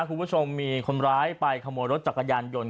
คุณผู้ชมมีคนร้ายไปขโมยรถจักรยานยนต์